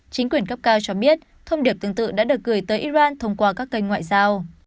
chính quyền cấp cao cho biết thông điệp tương tự đã được gửi tới iran thông qua các kênh ngoại giao